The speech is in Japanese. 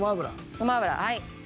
ごま油はい。